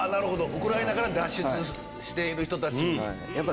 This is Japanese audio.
ウクライナから脱出してる人に。